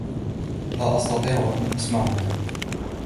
لا أستطيع أن أسمعك.